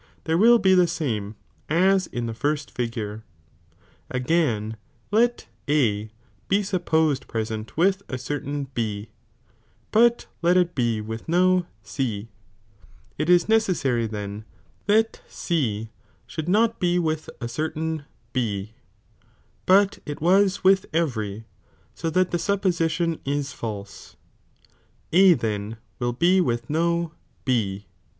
there will he the same ' as in the first iigure. Again, let A be supposed present with a certain B, but let it be with no C, it is necessary thea that C should not be with a certain B, hut it waa with every, so that the supposition is false, A then will be with no B.